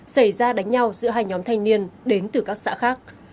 xảy ra đánh nhau giữa hai nhóm thanh niên đến từ các xã khác